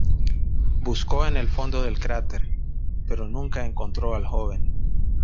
Buscó en el fondo del cráter, pero nunca encontró al joven.